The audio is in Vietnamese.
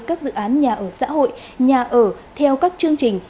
các dự án nhà ở xã hội nhà ở theo các chương trình